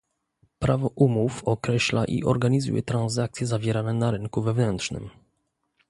Prawo umów określa i organizuje transakcje zawierane na rynku wewnętrznym